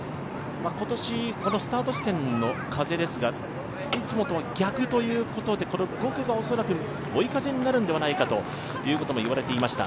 今年、このスタート地点の風ですがいつもと逆ということで５区が恐らく追い風になるのではないかと言われていました。